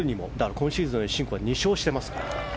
今シーズンシンクは２勝しています。